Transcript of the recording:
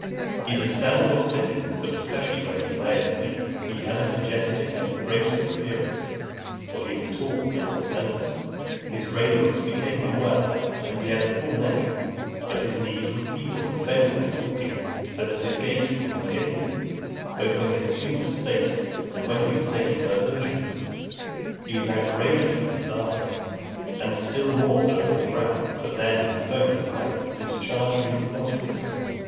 XXX. Either standing or sitting, but especially when he lay asleep, he had a majestic and graceful appearance; for he was tall, but not slender. His grey looks became him well, and he had a full neck. But his knees were feeble, and failed him in walking, so that his gait was ungainly, both when he assumed state, and when he was taking diversion. He was outrageous in his laughter, and still more so in his wrath, for then he foamed at the mouth, and discharged from his nostrils.